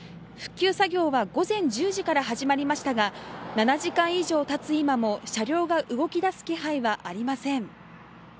復旧作業は午前１０時から始まりましたが、７時間がたつ今も車両が動きだす気配はありません。